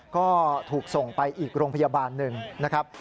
ก็ถูกส่งไปอีกโรงพยาบาลหนึ่งนะครับ